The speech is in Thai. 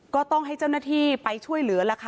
ก็ต้องให้เจ้าหน้าที่ไปช่วยเหลือล่ะค่ะ